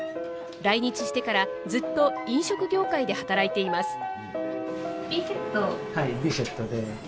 来日してからずっと飲食業界で働いています。